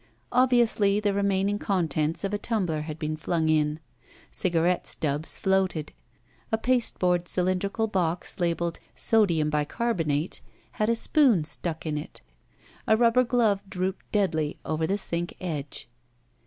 Obviously the remaining contents of a tumbler had been fltmg in. Cigarette stubs floated. A pasteboard cylin drical box, labeled ''Sodium Bi carbonate, " had a spoon stuck in it. A rubber glove drooped deadly over the sink edge.